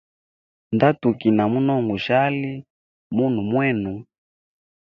Nda tukina munonga gushali munwe mwenu.